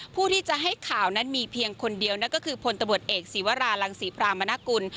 ผู้ที่จะให้ข่าวนั้นมีเพียงคนเดียวนั่นก็คือพลตำรวจเอกศีวรารังศรีพรามนกุล